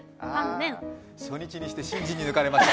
初日にして新人に抜かれました。